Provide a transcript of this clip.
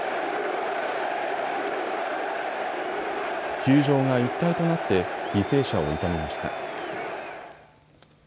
球場が一体となって犠牲者を悼みました。